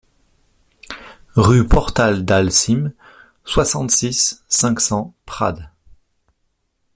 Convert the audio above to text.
Rue Portal Dal Cim, soixante-six, cinq cents Prades